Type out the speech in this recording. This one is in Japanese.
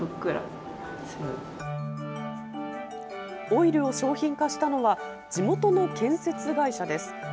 オイルを商品化したのは、地元の建設会社です。